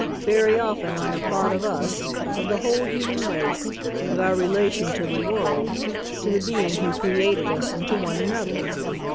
Very often I have thought of us, of the whole human race, of our relation to the world, to the being who created us and to one another.